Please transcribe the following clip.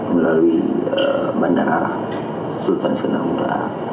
melalui bandara sultan senangguna